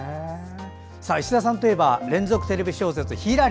石田さんといえば連続テレビ小説「ひらり」。